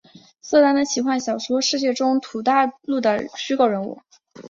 瑟丹的奇幻小说世界中土大陆的虚构人物。